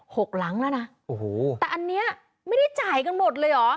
หกหลังแล้วนะโอ้โหแต่อันเนี้ยไม่ได้จ่ายกันหมดเลยเหรอ